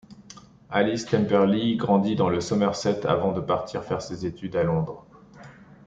Alice Temperley grandit dans le Somerset avant de partir faire ses études à Londres.